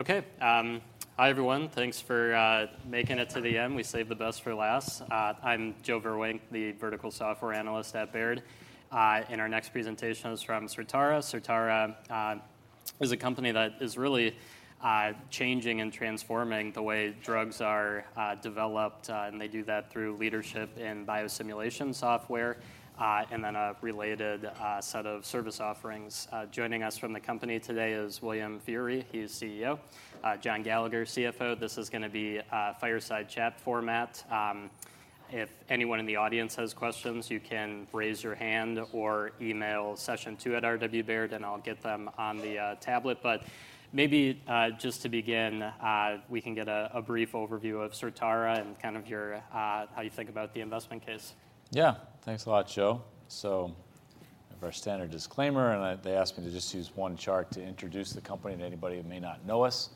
Okay. Hi, everyone. Thanks for making it to the end. We saved the best for last. I'm Joe Vruwink, the Vertical Software Analyst at Baird. Our next presentation is from Certara. Certara is a company that is really changing and transforming the way drugs are developed, and they do that through leadership in biosimulation software, and then a related set of service offerings. Joining us from the company today is William Feehery. He is CEO. And John Gallagher, CFO. This is gonna be a fireside chat format. If anyone in the audience has questions, you can raise your hand or email session2@rwbaird.com, and I'll get them on the tablet. But maybe, just to begin, we can get a brief overview of Certara and kind of your, how you think about the investment case. Yeah. Thanks a lot, Joe. So we have our standard disclaimer, and they asked me to just use one chart to introduce the company to anybody who may not know us.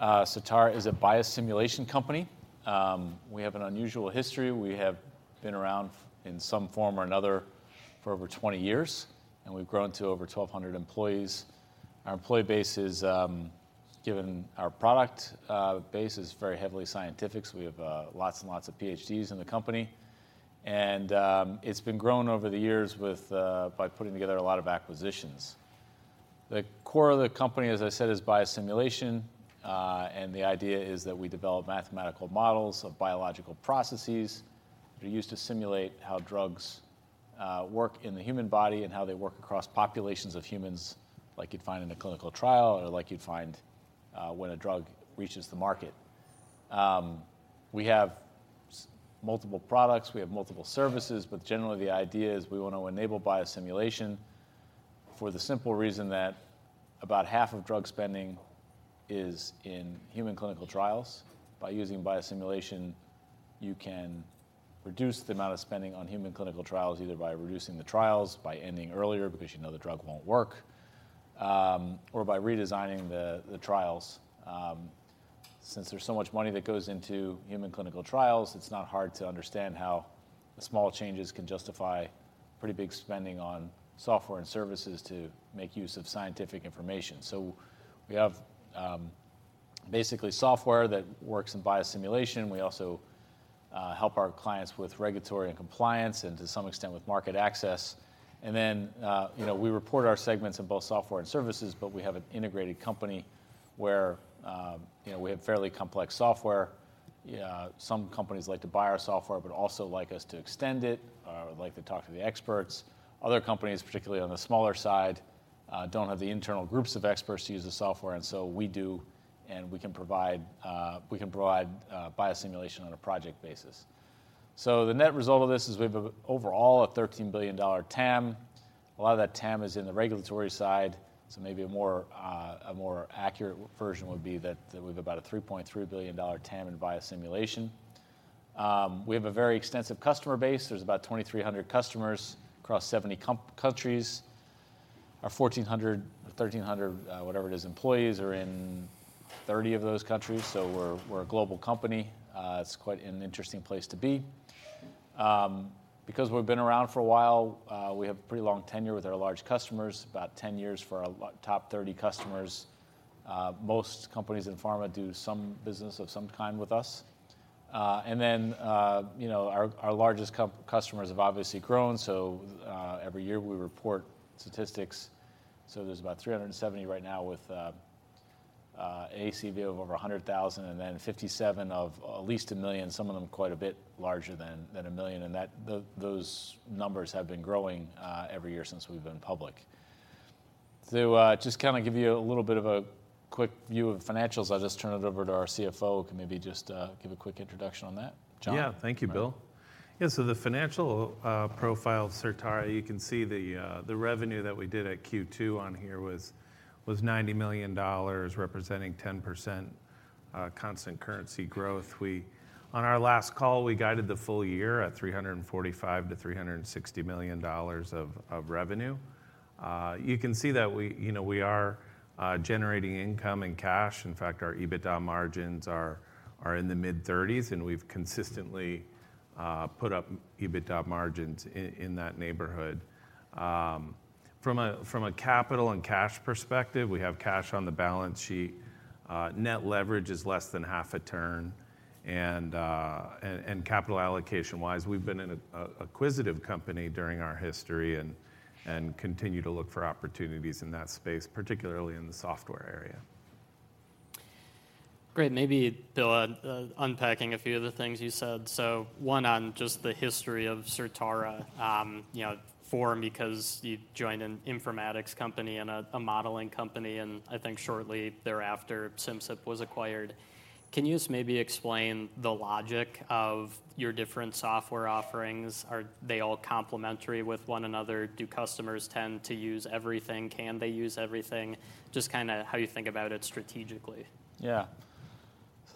Certara is a biosimulation company. We have an unusual history. We have been around in some form or another for over 20 years, and we've grown to over 1,200 employees. Our employee base is, given our product base is very heavily scientific, so we have lots and lots of PhDs in the company. And it's been grown over the years with by putting together a lot of acquisitions. The core of the company, as I said, is biosimulation, and the idea is that we develop mathematical models of biological processes. They're used to simulate how drugs work in the human body and how they work across populations of humans, like you'd find in a clinical trial or like you'd find when a drug reaches the market. We have multiple products, we have multiple services, but generally, the idea is we want to enable biosimulation for the simple reason that about half of drug spending is in human clinical trials. By using biosimulation, you can reduce the amount of spending on human clinical trials, either by reducing the trials, by ending earlier because you know the drug won't work, or by redesigning the trials. Since there's so much money that goes into human clinical trials, it's not hard to understand how small changes can justify pretty big spending on software and services to make use of scientific information. So we have basically software that works in biosimulation. We also help our clients with regulatory and compliance and to some extent with market access. And then you know, we report our segments in both software and services, but we have an integrated company where you know, we have fairly complex software. Some companies like to buy our software but also like us to extend it or would like to talk to the experts. Other companies, particularly on the smaller side, don't have the internal groups of experts to use the software, and so we do, and we can provide biosimulation on a project basis. So the net result of this is we have overall a $13 billion TAM. A lot of that TAM is in the regulatory side, so maybe a more accurate version would be that we've about a $3.3 billion TAM in biosimulation. We have a very extensive customer base. There's about 2,300 customers across 70 countries. Our 1,400 or 1,300, whatever it is, employees are in 30 of those countries, so we're a global company. It's quite an interesting place to be. Because we've been around for a while, we have pretty long tenure with our large customers, about 10 years for our top 30 customers. Most companies in pharma do some business of some kind with us. And then, you know, our largest customers have obviously grown, so every year we report statistics. So there's about 370 right now with ACV of over $100,000 and then 57 of at least $1 million, some of them quite a bit larger than $1 million. And those numbers have been growing every year since we've been public. To just kind of give you a little bit of a quick view of financials, I'll just turn it over to our CFO, who can maybe just give a quick introduction on that. John? Yeah. Thank you, Bill. Yeah, so the financial profile of Certara, you can see the revenue that we did at Q2 on here was $90 million, representing 10% constant currency growth. On our last call, we guided the full year at $345 million-$360 million of revenue. You can see that we, you know, we are generating income and cash. In fact, our EBITDA margins are in the mid-30s, and we've consistently put up EBITDA margins in that neighborhood. From a capital and cash perspective, we have cash on the balance sheet. Net leverage is less than half a turn. Capital allocation-wise, we've been an acquisitive company during our history and continue to look for opportunities in that space, particularly in the software area. Great. Maybe, Bill, unpacking a few of the things you said. So one on just the history of Certara, you know, formed because you joined an informatics company and a modeling company, and I think shortly thereafter, Simcyp was acquired. Can you just maybe explain the logic of your different software offerings? Are they all complementary with one another? Do customers tend to use everything? Can they use everything? Just kind of how you think about it strategically. Yeah. So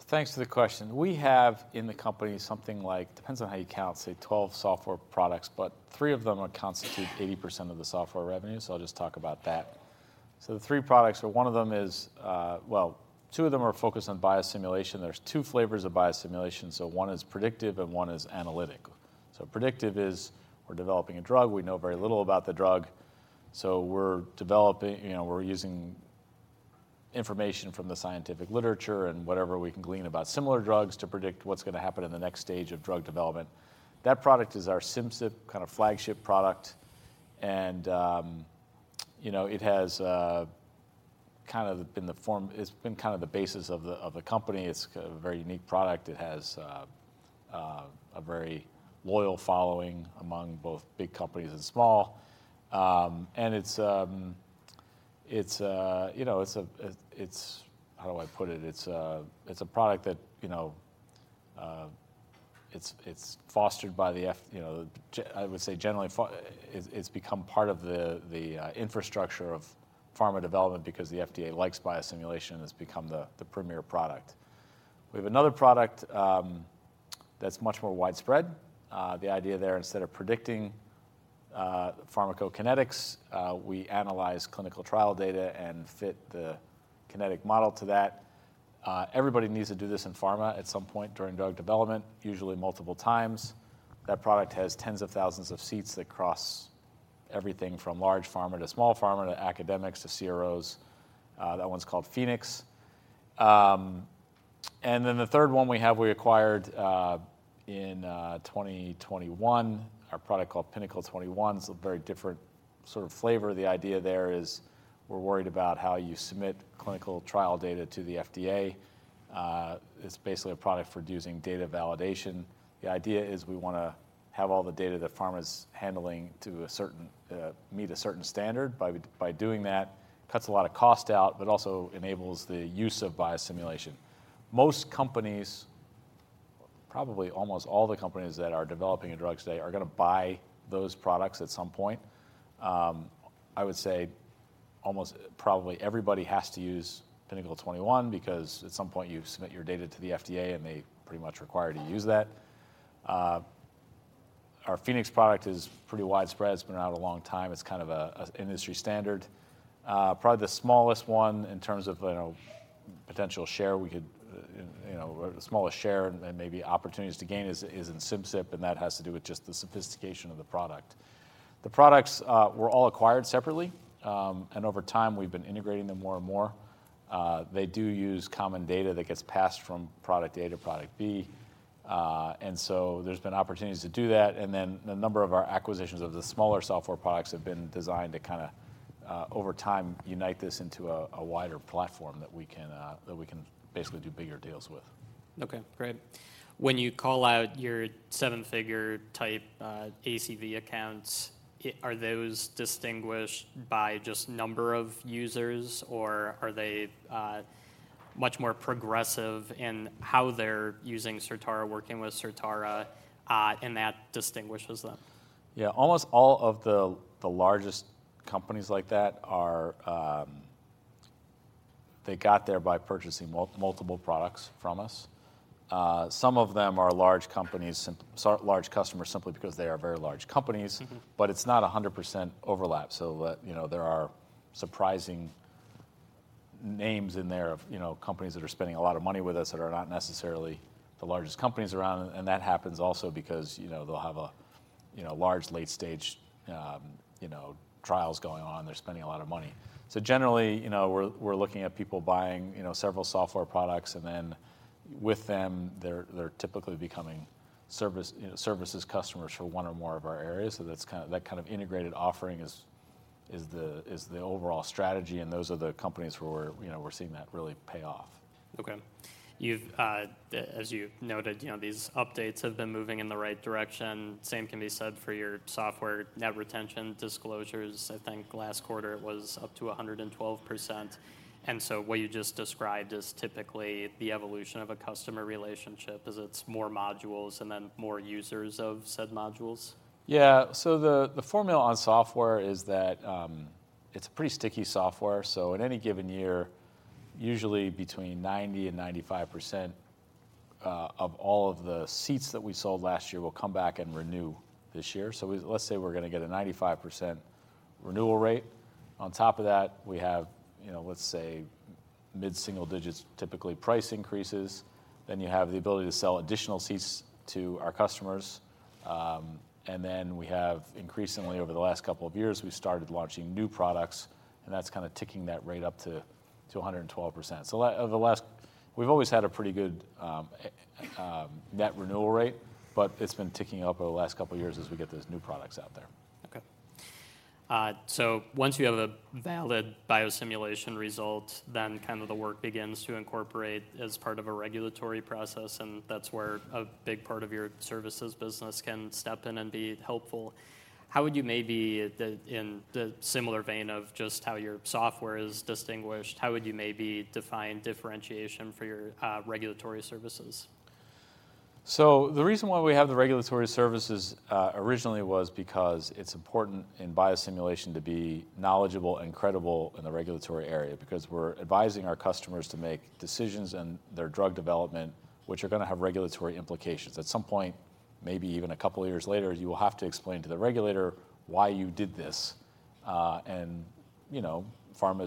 thanks for the question. We have in the company something like, depends on how you count, say, 12 software products, but three of them constitute 80% of the software revenue, so I'll just talk about that. So the three products, so one of them is... Well, two of them are focused on biosimulation. There's two flavors of biosimulation, so one is predictive, and one is analytic. So predictive is: we're developing a drug, we know very little about the drug. So we're developing, you know, we're using information from the scientific literature and whatever we can glean about similar drugs to predict what's gonna happen in the next stage of drug development. That product is our Simcyp kind of flagship product, and, you know, it has kind of been the form—it's been kind of the basis of the company. It's a very unique product. It has a very loyal following among both big companies and small. And it's, you know, it's... How do I put it? It's a product that, you know, it's fostered by the FDA, you know, I would say, generally, it's become part of the infrastructure of pharma development because the FDA likes biosimulation, and it's become the premier product. We have another product that's much more widespread. The idea there, instead of predicting pharmacokinetics, we analyze clinical trial data and fit the kinetic model to that. Everybody needs to do this in pharma at some point during drug development, usually multiple times. That product has tens of thousands of seats that cross everything from large pharma to small pharma to academics to CROs. That one's called Phoenix. And then the third one we have, we acquired in 2021, our product called Pinnacle 21. It's a very different sort of flavor. The idea there is, we're worried about how you submit clinical trial data to the FDA. It's basically a product for using data validation. The idea is we wanna have all the data that pharma is handling to a certain, meet a certain standard. By doing that, cuts a lot of cost out, but also enables the use of biosimulation. Most companies, probably almost all the companies that are developing a drug today, are gonna buy those products at some point. I would say almost probably everybody has to use Pinnacle 21, because at some point, you submit your data to the FDA, and they pretty much require you to use that. Our Phoenix product is pretty widespread. It's been out a long time. It's kind of an industry standard. Probably the smallest one in terms of, you know, potential share, we could, you know, the smallest share and then maybe opportunities to gain is, is in Simcyp, and that has to do with just the sophistication of the product. The products were all acquired separately, and over time, we've been integrating them more and more. They do use common data that gets passed from product A to product B. And so there's been opportunities to do that, and then the number of our acquisitions of the smaller software products have been designed to kinda, over time, unite this into a, a wider platform that we can, that we can basically do bigger deals with. Okay, great. When you call out your seven-figure type ACV accounts, are those distinguished by just number of users, or are they much more progressive in how they're using Certara, working with Certara, and that distinguishes them? Yeah. Almost all of the largest companies like that are. They got there by purchasing multiple products from us. Some of them are large companies, large customers simply because they are very large companies. Mm-hmm. But it's not 100% overlap, so that, you know, there are surprising names in there of, you know, companies that are spending a lot of money with us, that are not necessarily the largest companies around. And that happens also because, you know, they'll have a, you know, large, late-stage, you know, trials going on. They're spending a lot of money. So generally, you know, we're, we're looking at people buying, you know, several software products, and then with them, they're, they're typically becoming service, you know, services customers for one or more of our areas. So that's kind of, that kind of integrated offering is, is the, is the overall strategy, and those are the companies where we're, you know, we're seeing that really pay off. Okay. You've, as you've noted, you know, these updates have been moving in the right direction. Same can be said for your software net retention disclosures. I think last quarter, it was up to 112%, and so what you just described is typically the evolution of a customer relationship, as it's more modules and then more users of said modules? Yeah. So the formula on software is that it's a pretty sticky software, so in any given year, usually between 90% and 95% of all of the seats that we sold last year will come back and renew this year. So we... Let's say we're gonna get a 95% renewal rate. On top of that, we have, you know, let's say mid-single digits, typically price increases, then you have the ability to sell additional seats to our customers. And then we have increasingly, over the last couple of years, we started launching new products, and that's kind of ticking that rate up to 112%. So over the last... We've always had a pretty good net renewal rate, but it's been ticking up over the last couple of years as we get these new products out there. Okay. So once you have a valid biosimulation result, then kind of the work begins to incorporate as part of a regulatory process, and that's where a big part of your services business can step in and be helpful. How would you maybe in the similar vein of just how your software is distinguished, how would you maybe define differentiation for your regulatory services? So the reason why we have the regulatory services originally was because it's important in biosimulation to be knowledgeable and credible in the regulatory area, because we're advising our customers to make decisions in their drug development, which are gonna have regulatory implications. At some point, maybe even a couple of years later, you will have to explain to the regulator why you did this. And, you know, pharma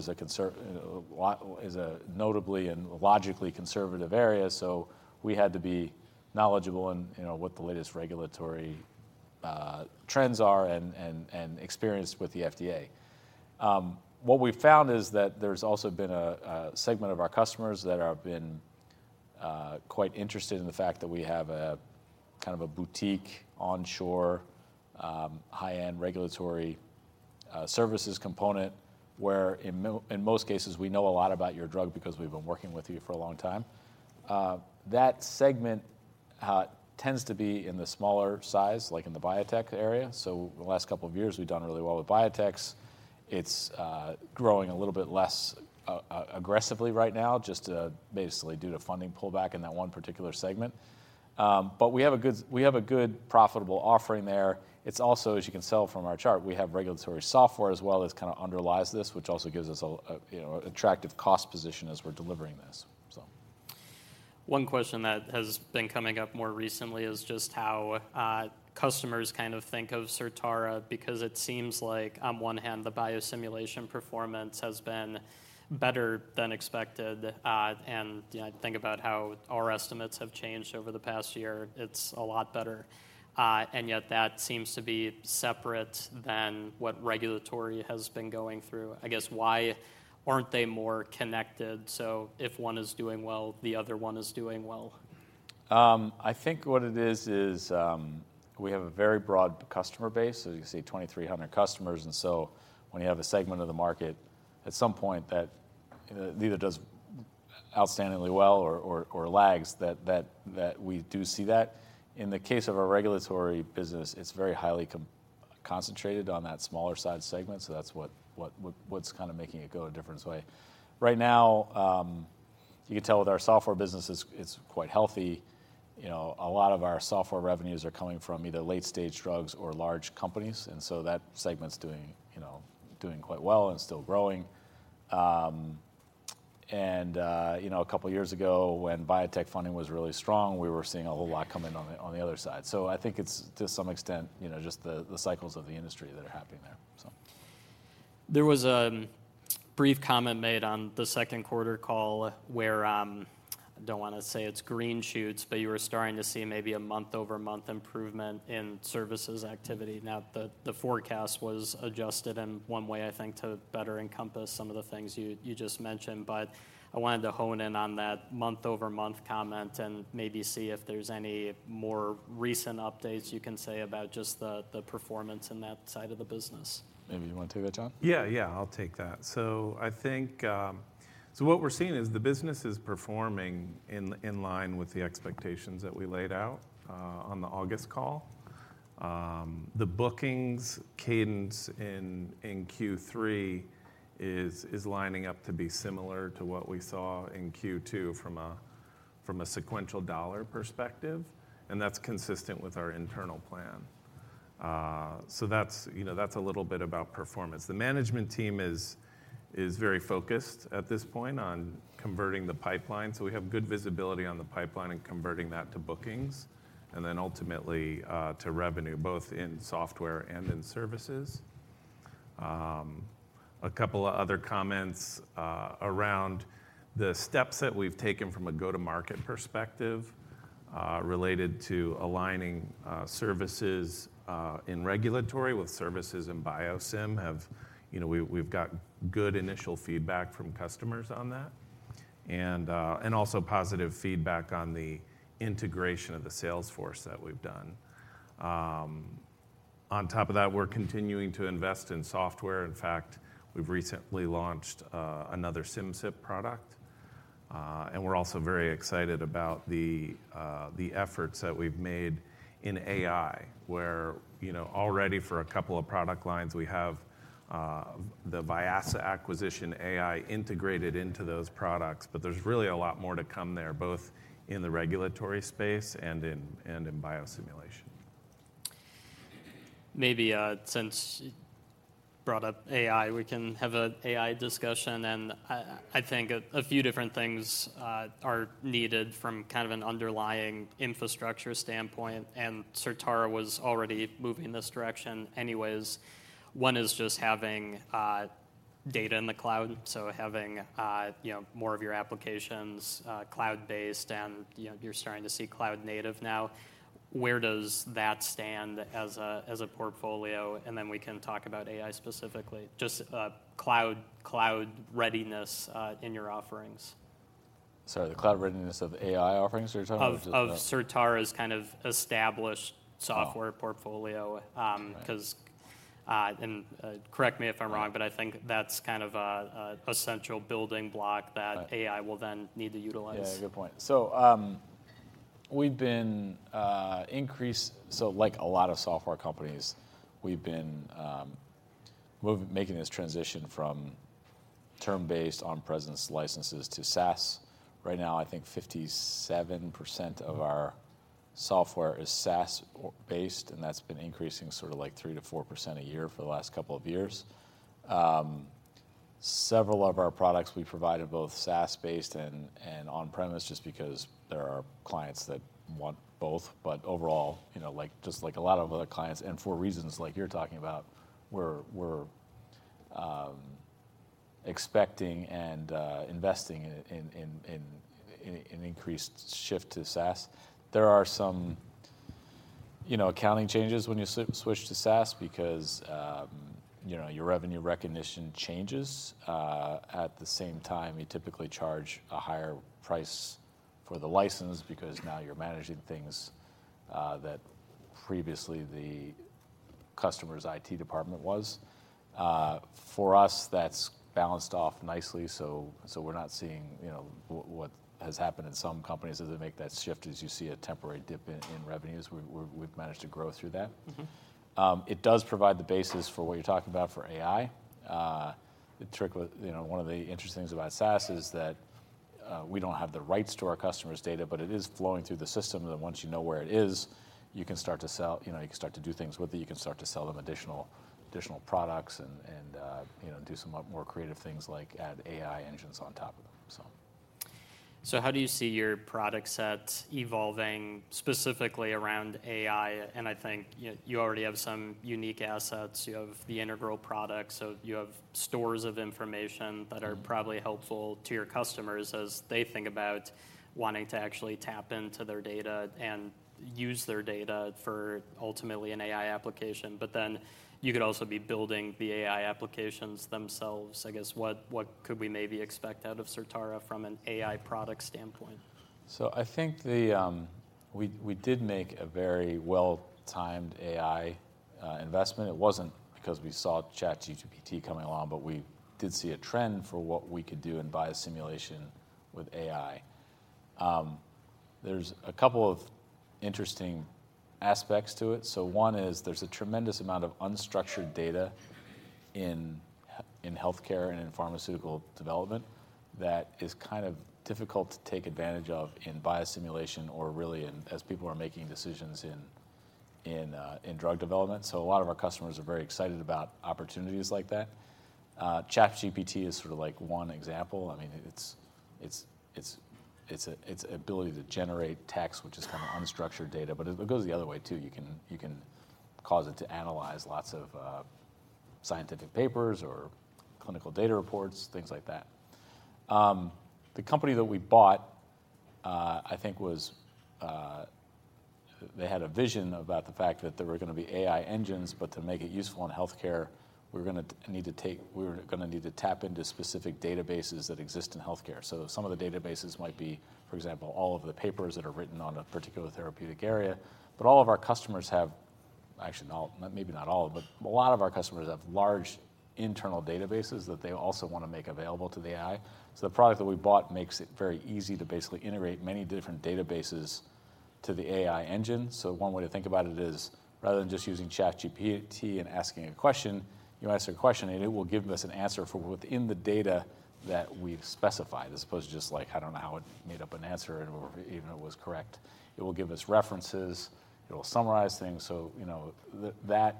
is a notably and logically conservative area, so we had to be knowledgeable in, you know, what the latest regulatory trends are and experienced with the FDA. What we've found is that there's also been a segment of our customers that have been quite interested in the fact that we have a kind of a boutique, onshore, high-end regulatory services component, where in most cases, we know a lot about your drug because we've been working with you for a long time. That segment tends to be in the smaller size, like in the biotech area. So in the last couple of years, we've done really well with biotechs. It's growing a little bit less aggressively right now, just basically due to funding pullback in that one particular segment. But we have a good profitable offering there. It's also, as you can tell from our chart, we have regulatory software as well, that kind of underlies this, which also gives us a, you know, an attractive cost position as we're delivering this, so. One question that has been coming up more recently is just how, customers kind of think of Certara, because it seems like on one hand, the biosimulation performance has been better than expected. And, you know, I think about how our estimates have changed over the past year, it's a lot better. And yet that seems to be separate than what regulatory has been going through. I guess, why aren't they more connected, so if one is doing well, the other one is doing well? I think what it is, we have a very broad customer base, as you can see, 2,300 customers, and so when you have a segment of the market, at some point, that either does outstandingly well or lags, that we do see that. In the case of our regulatory business, it's very highly concentrated on that smaller side segment, so that's what's kind of making it go a different way. Right now, you can tell with our software business, it's quite healthy. You know, a lot of our software revenues are coming from either late-stage drugs or large companies, and so that segment's doing, you know, quite well and still growing. And, you know, a couple of years ago, when biotech funding was really strong, we were seeing a whole lot coming on the other side. So I think it's, to some extent, you know, just the cycles of the industry that are happening there, so. There was a brief comment made on the second quarter call where I don't want to say it's green shoots, but you were starting to see maybe a month-over-month improvement in services activity. Not the forecast was adjusted, in one way, I think, to better encompass some of the things you just mentioned. But I wanted to hone in on that month-over-month comment, and maybe see if there's any more recent updates you can say about just the performance in that side of the business. Maybe you want to take that, John? Yeah, yeah, I'll take that. So I think... So what we're seeing is the business is performing in line with the expectations that we laid out on the August call. The bookings cadence in Q3 is lining up to be similar to what we saw in Q2 from a sequential dollar perspective, and that's consistent with our internal plan. So that's, you know, that's a little bit about performance. The management team is very focused at this point on converting the pipeline. So we have good visibility on the pipeline and converting that to bookings, and then ultimately to revenue, both in software and in services. A couple of other comments around the steps that we've taken from a go-to-market perspective related to aligning services in regulatory with services in biosim have. You know, we've got good initial feedback from customers on that, and also positive feedback on the integration of the sales force that we've done. On top of that, we're continuing to invest in software. In fact, we've recently launched another Simcyp product, and we're also very excited about the efforts that we've made in AI, where, you know, already for a couple of product lines, we have the Vyasa acquisition AI integrated into those products. But there's really a lot more to come there, both in the regulatory space and in biosimulation. Maybe, since you brought up AI, we can have an AI discussion, and I think a few different things are needed from kind of an underlying infrastructure standpoint, and Certara was already moving in this direction anyways. One is just having data in the cloud, so having, you know, more of your applications cloud-based and, you know, you're starting to see cloud native now. Where does that stand as a portfolio? And then we can talk about AI specifically, just cloud readiness in your offerings. Sorry. The cloud readiness of AI offerings, you're talking about or just the? Of Certara's kind of established- Oh. Software portfolio. Okay. 'Cause, correct me if I'm wrong. Yeah. But I think that's kind of an essential building block- Right. That AI will then need to utilize. Yeah, good point. So, like a lot of software companies, we've been making this transition from term-based on-premise licenses to SaaS. Right now, I think 57% of our software is SaaS-based, and that's been increasing sort of like 3%-4% a year for the last couple of years. Several of our products we provide are both SaaS-based and on-premise, just because there are clients that want both, but overall, you know, like, just like a lot of other clients, and for reasons like you're talking about, we're expecting and investing in increased shift to SaaS. There are some, you know, accounting changes when you switch to SaaS because, you know, your revenue recognition changes. At the same time, you typically charge a higher price for the license because now you're managing things that previously the customer's IT department was. For us, that's balanced off nicely, so we're not seeing, you know, what has happened in some companies as they make that shift, as you see a temporary dip in revenues. We've managed to grow through that. Mm-hmm. It does provide the basis for what you're talking about for AI. The trick with—you know, one of the interesting things about SaaS is that, we don't have the rights to our customers' data, but it is flowing through the system, and once you know where it is, you can start to sell—you know, you can start to do things with it. You can start to sell them additional, additional products and, and, you know, do some more creative things like add AI engines on top of them, so. So how do you see your product set evolving, specifically around AI? And I think, you, you already have some unique assets. You have the Integral product, so you have stores of information- Mm-hmm. That are probably helpful to your customers as they think about wanting to actually tap into their data and use their data for ultimately an AI application. But then, you could also be building the AI applications themselves. I guess, what, what could we maybe expect out of Certara from an AI product standpoint? So I think we did make a very well-timed AI investment. It wasn't because we saw ChatGPT coming along, but we did see a trend for what we could do in biosimulation with AI. There's a couple of interesting aspects to it. So one is there's a tremendous amount of unstructured data in healthcare and in pharmaceutical development that is kind of difficult to take advantage of in biosimulation, or really in as people are making decisions in drug development. So a lot of our customers are very excited about opportunities like that. ChatGPT is sort of like one example. I mean, it's its ability to generate text, which is kind of unstructured data, but it goes the other way, too. You can, you can cause it to analyze lots of scientific papers or clinical data reports, things like that. The company that we bought, I think, was. They had a vision about the fact that there were gonna be AI engines, but to make it useful in healthcare, we were gonna need to tap into specific databases that exist in healthcare. So some of the databases might be, for example, all of the papers that are written on a particular therapeutic area. But all of our customers have... Actually, not all, maybe not all, but a lot of our customers have large internal databases that they also want to make available to the AI. So the product that we bought makes it very easy to basically integrate many different databases to the AI engine. So one way to think about it is, rather than just using ChatGPT and asking a question, you ask a question, and it will give us an answer for within the data that we've specified, as opposed to just, like, I don't know how it made up an answer and whether even it was correct. It will give us references. It will summarize things. So, you know, that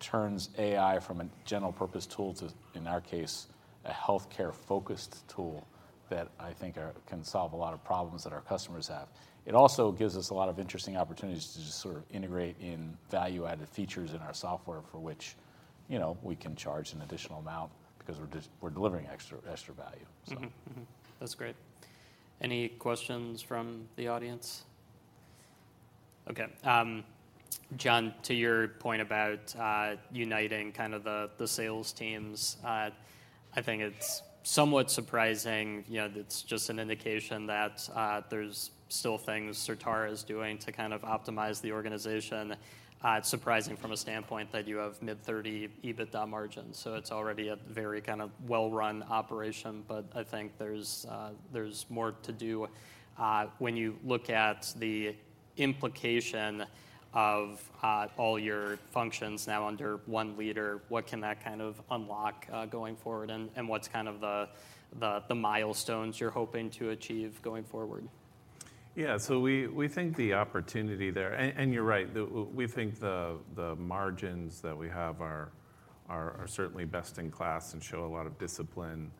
turns AI from a general purpose tool to, in our case, a healthcare-focused tool that I think can solve a lot of problems that our customers have. It also gives us a lot of interesting opportunities to just sort of integrate in value-added features in our software for which, you know, we can charge an additional amount because we're just delivering extra, extra value, so. Mm-hmm. Mm-hmm. That's great. Any questions from the audience? Okay, John, to your point about uniting kind of the sales teams, I think it's somewhat surprising, you know, it's just an indication that there's still things Certara is doing to kind of optimize the organization. It's surprising from a standpoint that you have mid-30% EBITDA margins, so it's already a very kind of well-run operation. But I think there's more to do when you look at the implication of all your functions now under one leader. What can that kind of unlock going forward, and what's kind of the milestones you're hoping to achieve going forward? Yeah. So we think the opportunity there... And you're right, we think the margins that we have are certainly best in class and show a lot of discipline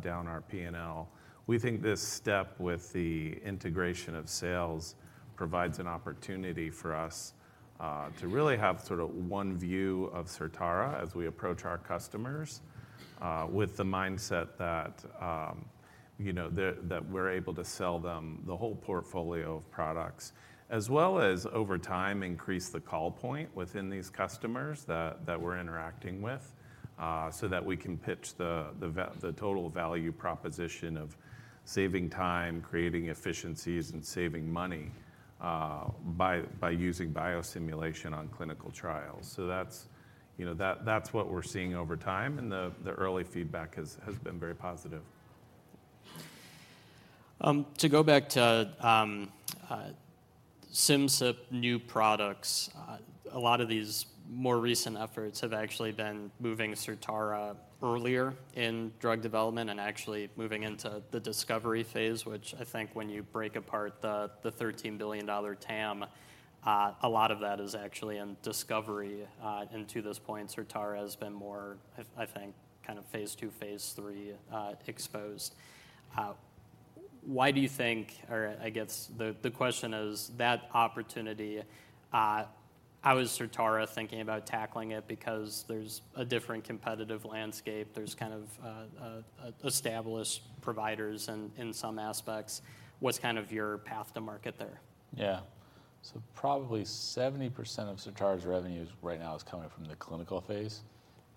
down our P&L. We think this step with the integration of sales provides an opportunity for us to really have sort of one view of Certara as we approach our customers with the mindset that, you know, we're able to sell them the whole portfolio of products, as well as over time, increase the call point within these customers that we're interacting with, so that we can pitch the total value proposition of saving time, creating efficiencies, and saving money by using biosimulation on clinical trials. So that's, you know, that's what we're seeing over time, and the early feedback has been very positive. To go back to, Simcyp new products, a lot of these more recent efforts have actually been moving Certara earlier in drug development and actually moving into the discovery phase, which I think when you break apart the $13 billion TAM, a lot of that is actually in discovery. And to this point, Certara has been more, I think, kind of phase II, phase III exposed. Why do you think, or I guess the question is that opportunity, how is Certara thinking about tackling it? Because there's a different competitive landscape. There's kind of established providers in some aspects. What's kind of your path to market there? Yeah. So probably 70% of Certara's revenues right now is coming from the clinical phase,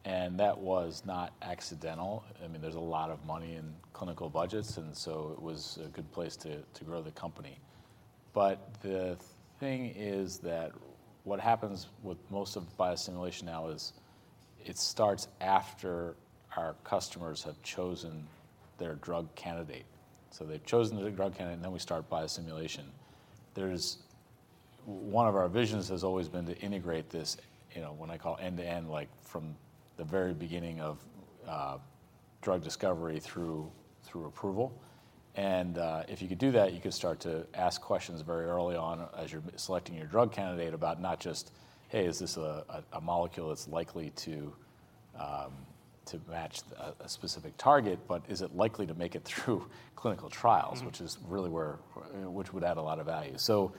and that was not accidental. I mean, there's a lot of money in clinical budgets, and so it was a good place to grow the company. But the thing is that what happens with most of biosimulation now is it starts after our customers have chosen their drug candidate. So they've chosen the drug candidate, and then we start biosimulation. There's one of our visions has always been to integrate this, you know, what I call end-to-end, like from the very beginning of drug discovery through approval. If you could do that, you could start to ask questions very early on as you're selecting your drug candidate about not just, "Hey, is this a molecule that's likely to match a specific target, but is it likely to make it through clinical trials? Mm-hmm. Which would add a lot of value. So,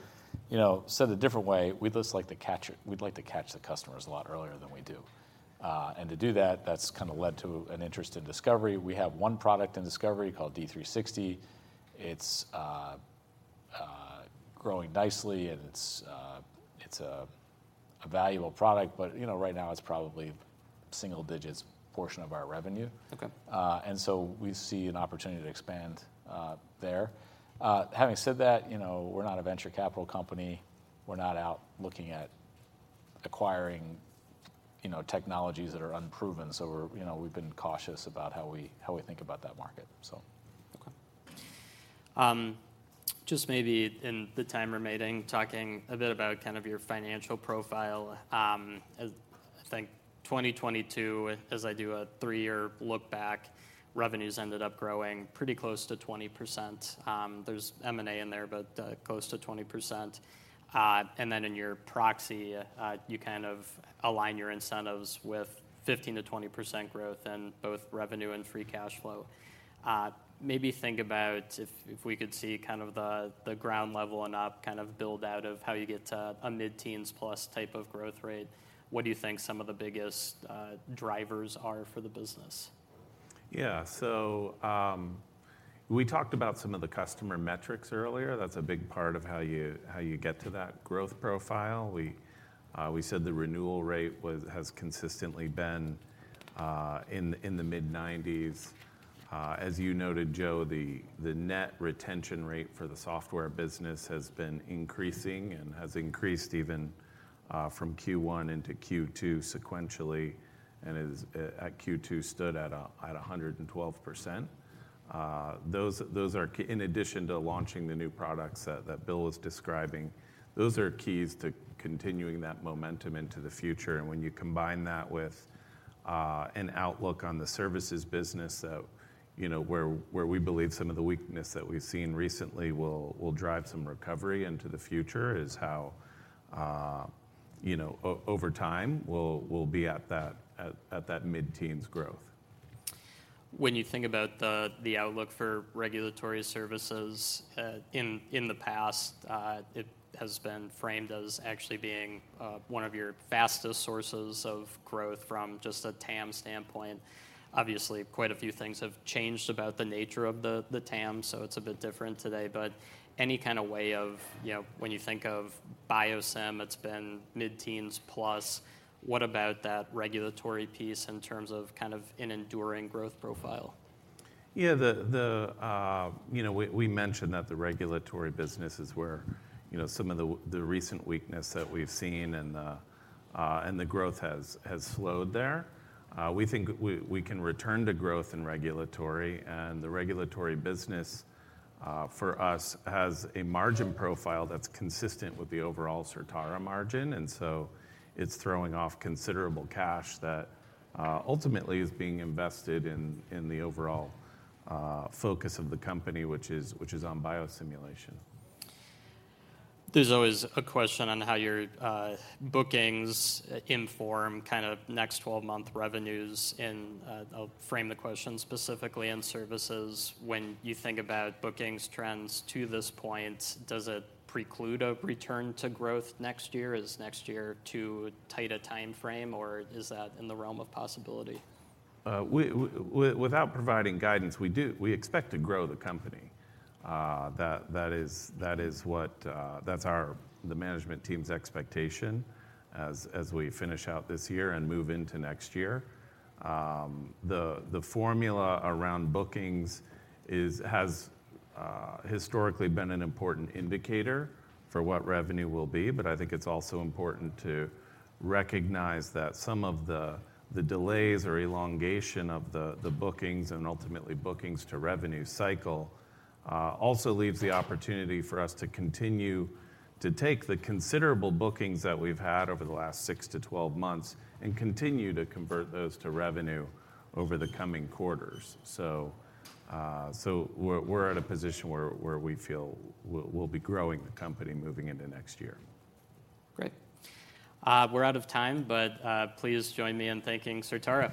you know, said a different way, we'd just like to catch it—we'd like to catch the customers a lot earlier than we do. And to do that, that's kind of led to an interest in discovery. We have one product in discovery called D360. It's growing nicely, and it's a valuable product, but, you know, right now, it's probably single digits portion of our revenue. Okay. And so we see an opportunity to expand there. Having said that, you know, we're not a venture capital company. We're not out looking at acquiring, you know, technologies that are unproven. So we're, you know, we've been cautious about how we think about that market, so. Okay. Just maybe in the time remaining, talking a bit about kind of your financial profile. I think 2022, as I do a three-year look back, revenues ended up growing pretty close to 20%. There's M&A in there, but, close to 20%. And then in your proxy, you kind of align your incentives with 15%-20% growth in both revenue and free cash flow. Maybe think about if, if we could see kind of the, the ground level and up, kind of build out of how you get to a mid-teens plus type of growth rate. What do you think some of the biggest, drivers are for the business? Yeah. So, we talked about some of the customer metrics earlier. That's a big part of how you get to that growth profile. We said the renewal rate was—has consistently been in the mid-90s. As you noted, Joe, the net retention rate for the software business has been increasing and has increased even from Q1 into Q2 sequentially, and is at Q2 stood at 112%. Those are—in addition to launching the new products that Bill was describing, those are keys to continuing that momentum into the future. And when you combine that with an outlook on the services business, you know, where we believe some of the weakness that we've seen recently will drive some recovery into the future, is how, you know, over time, we'll be at that mid-teens growth. When you think about the outlook for regulatory services, in the past, it has been framed as actually being one of your fastest sources of growth from just a TAM standpoint. Obviously, quite a few things have changed about the nature of the TAM, so it's a bit different today, but any kind of way of, you know, when you think of biosim, it's been mid-teens plus. What about that regulatory piece in terms of kind of an enduring growth profile? Yeah, you know, we mentioned that the regulatory business is where, you know, some of the recent weakness that we've seen, and the growth has slowed there. We think we can return to growth in regulatory, and the regulatory business, for us, has a margin profile that's consistent with the overall Certara margin, and so it's throwing off considerable cash that ultimately is being invested in the overall focus of the company, which is on biosimulation. There's always a question on how your bookings inform kind of next 12-month revenues in... I'll frame the question specifically in services. When you think about bookings trends to this point, does it preclude a return to growth next year? Is next year too tight a time frame, or is that in the realm of possibility? Without providing guidance, we expect to grow the company. That is what the management team's expectation as we finish out this year and move into next year. The formula around bookings has historically been an important indicator for what revenue will be, but I think it's also important to recognize that some of the delays or elongation of the bookings and ultimately bookings to revenue cycle also leaves the opportunity for us to continue to take the considerable bookings that we've had over the last six to 12 months and continue to convert those to revenue over the coming quarters. So we're at a position where we feel we'll be growing the company moving into next year. Great. We're out of time, but please join me in thanking Certara.